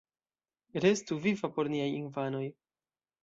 Restu viva por niaj infanoj!